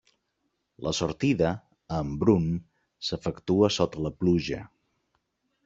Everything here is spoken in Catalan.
La sortida, a Embrun, s'efectua sota la pluja.